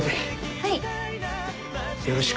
はい。